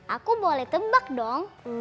aku boleh tebak dong